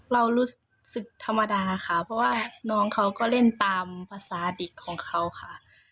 เรารู้สึกธรรมดาค่ะเพราะว่าน้องเขาก็เล่นตามภาษาเด็กของเขาค่ะ